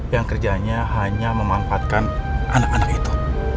yang kerjanya hanya memanfaatkan anak anak itu